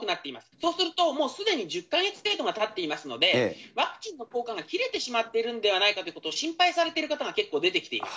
そうするともうすでに１０か月程度がたっていますので、ワクチンの効果が切れてしまっているんではないかということを心配されてる方が結構出てきています。